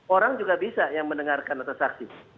orang juga bisa yang mendengarkan atau saksi